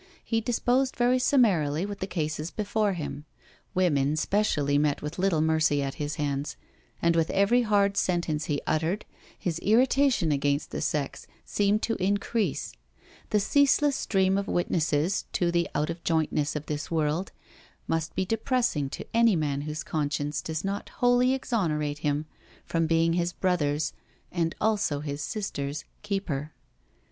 . He disposed very sununarily with the cases before him. Women specially met with little mercy at his hands, and with every hard sentence he uttered his irritation against the sex seemed to in crease; the ceaseless stream of witnesses to the out of jointness of this world must be depressing to any man whose conscience does not wholly exonerate him from being his brother's, and also his sister's, keeper.